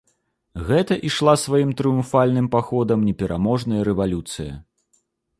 Гэта ішла сваім трыумфальным паходам непераможная рэвалюцыя.